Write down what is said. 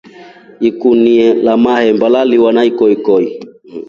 Ikunia la mahemba laliwa na ikokoi.